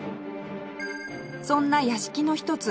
そんな屋敷の一つ